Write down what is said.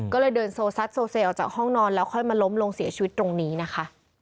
ก็เลยเดินโซซัดโซเซออกจากห้องนอนแล้วค่อยมาล้มลงเสียชีวิตตรงนี้นะคะ